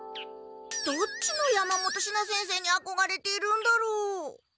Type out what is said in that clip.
どっちの山本シナ先生にあこがれているんだろう？